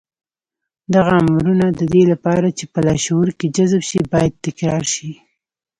دغه امرونه د دې لپاره چې په لاشعور کې جذب شي بايد تکرار شي.